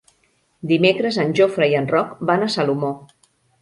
Dimecres en Jofre i en Roc van a Salomó.